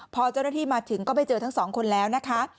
พอเจ้าหน้าที่มาถึงก็ไปเจอทั้งสองคนแล้วนะคะ